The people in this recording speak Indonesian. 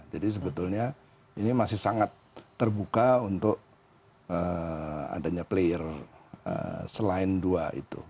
jadi sebetulnya ini masih sangat terbuka untuk adanya player selain dua itu